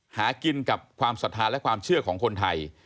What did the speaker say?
หากินกับความศรัทธาและความเชื่อของคนไทย